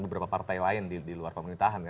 beberapa partai lain di luar pemerintahan